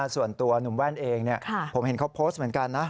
ส่วนตัวหนุ่มแว่นเองผมเห็นเขาโพสต์เหมือนกันนะ